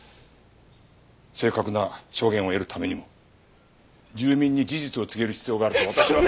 正確な証言を得るためにも住民に事実を告げる必要があると私は。